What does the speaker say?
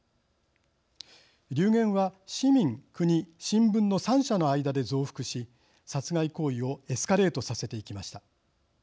流言は市民国新聞の３者の間で増幅し殺害行為をエスカレートさせていきました。